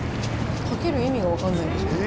かける意味が分かんないです。